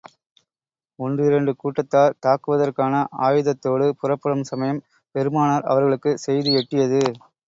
ஒன்றிரண்டு கூட்டத்தார் தாக்குவதற்கான ஆயத்தத்தோடு புறப்படும் சமயம், பெருமானார் அவர்களுக்குச் செய்தி எட்டியது.